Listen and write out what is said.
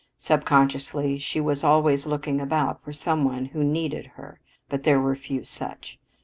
Subconsciously she was always looking about for some one who "needed" her, but there were few such.